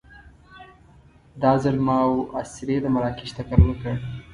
دا ځل ما او اسرې د مراکش تکل وکړ.